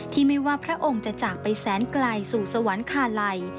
ไม่ว่าพระองค์จะจากไปแสนไกลสู่สวรรคาลัย